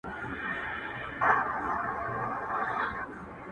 • په لوی لاس چي مو پرې ایښي تر خالقه تللي لاري ,